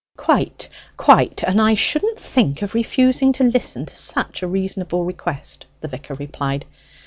"Quite, quite; and I shouldn't think of refusing to listen to such a reasonable request," the vicar replied.